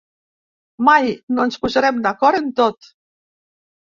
Mai no ens posarem d’acord en tot.